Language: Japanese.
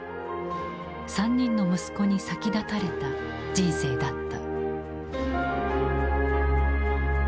３人の息子に先立たれた人生だった。